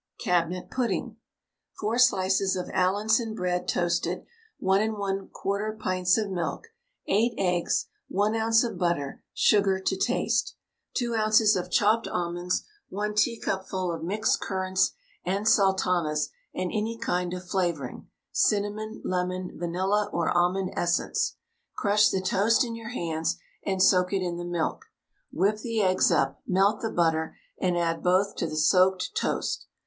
CABINET PUDDING. 4 slices of Allinson bread toasted, 1 1/4 pints of milk, 8 eggs, 1 oz. of butter, sugar to taste, 2 oz. of chopped almonds, 1 teacupful of mixed currants and sultanas and any kind of flavouring cinammon, lemon, vanilla, or almond essence. Crush the toast in your hands, and soak it in the milk. Whip the eggs up, melt the butter, and add both to the soaked toast.